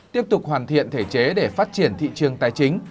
tiếp tục hoàn thiện thể chế để phát triển thị trường tài chính